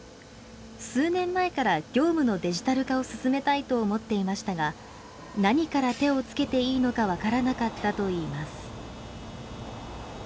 数年前から業務のデジタル化を進めたいと思っていましたが何から手をつけていいのか分からなかったといいます。